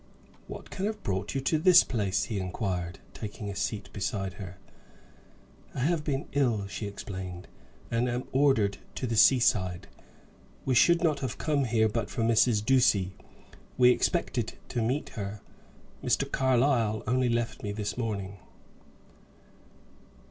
"What can have brought you to this place?" he inquired, taking a seat beside her. "I have been ill," she explained, "and am ordered to the sea side. We should not have come here but for Mrs. Ducie; we expected to meet her. Mr. Carlyle only left me this morning."